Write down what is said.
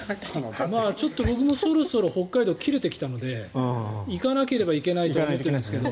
僕もそろそろ北海道切れてきたので行かなければいけないと思ってるんですけど。